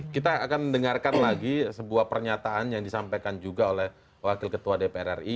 kita akan dengarkan lagi sebuah pernyataan yang disampaikan juga oleh wakil ketua dpr ri